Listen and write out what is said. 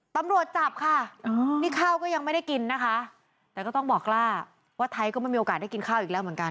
ตำรวจจับค่ะนี่ข้าวก็ยังไม่ได้กินนะคะแต่ก็ต้องบอกล่าว่าไทยก็ไม่มีโอกาสได้กินข้าวอีกแล้วเหมือนกัน